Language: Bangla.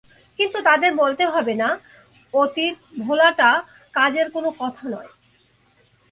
কিন্তু তাঁদের বলতে হবে- না, অতীত ভোলাটা কাজের কোনো কথা নয়।